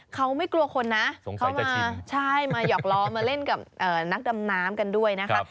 เขาไม่กลัวคนนะมาหยอกล้อมาเล่กับนักดำน้ำกันด้วยนะครับ